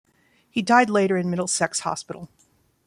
He died later in Middlesex Hospital.